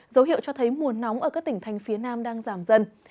dấu hiệu cho thấy mùa nóng ở các tỉnh thành phía nam đang giảm dần